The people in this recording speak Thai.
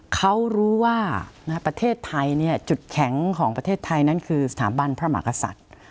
เขารู้ว่าประเทศไทยจุดแข็งของประเทศไทยนั้นคือสถาบันพระมหากษัตริย์